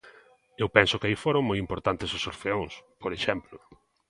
Eu penso que aí foron moi importantes os orfeóns, por exemplo.